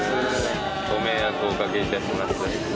ご迷惑お掛けいたします。